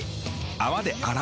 泡で洗う。